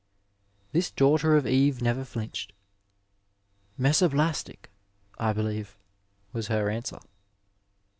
" this daughter of Eve never flinched; "mesoblastic, I believe," was her answer.